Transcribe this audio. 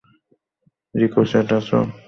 Ricochet, আছো?